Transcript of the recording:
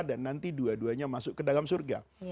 dan nanti dua duanya masuk ke dalam surga